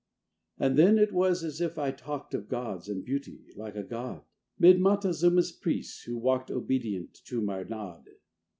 IV And then it was as if I talked Of gods and beauty, like a god; 'Mid Montezuma's priests who walked Obedient to my nod.